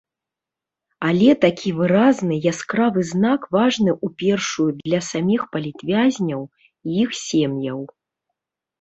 Але такі выразны, яскравы знак важны у першую для саміх палітвязняў і іх сем'яў.